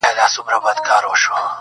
د زلفو بڼ كي د دنيا خاوند دی.